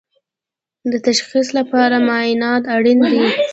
د تشخیص لپاره معاینات اړین دي